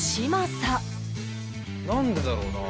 なんでだろうな？